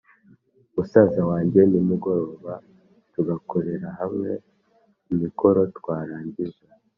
musaza wange, nimugobora tugakorera hamwe imikoro, twarangiza